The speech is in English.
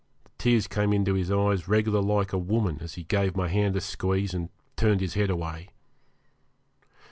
The tears came into his eyes reg'lar like a woman as he gave my hand a squeeze and turned his head away.